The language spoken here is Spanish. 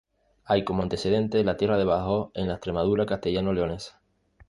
Hay como antecedente la Tierra de Badajoz en la Extremadura castellano-leonesa.